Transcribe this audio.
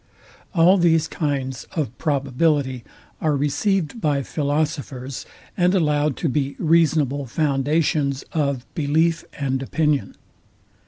All these kinds of probability are received by philosophers, and allowed to be reasonable foundations of belief and opinion.